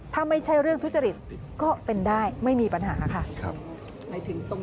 ถ้าไม่ใช่เรื่องทุจริตก็เป็นได้ไม่มีปัญหาค่ะ